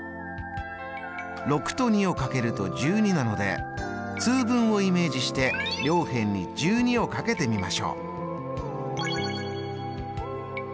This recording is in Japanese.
６と２をかけると１２なので通分をイメージして両辺に１２をかけてみましょう。